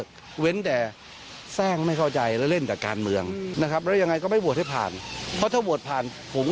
การเร่งความเส้นหน่อยพูดถวัง